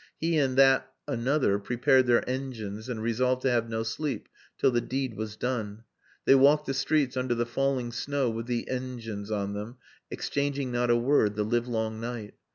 He and that "Another" prepared their "engines" and resolved to have no sleep till "the deed" was done. They walked the streets under the falling snow with the "engines" on them, exchanging not a word the livelong night.